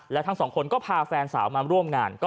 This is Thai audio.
แล้วทั้งสองคนก็พาแฟนสาวมาร่วมงาน